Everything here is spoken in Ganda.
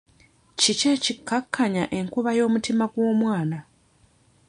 Kiki ekiikakkanya enkuba y'omutima gw'omwana?